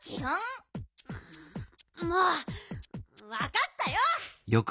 うんもうわかったよ！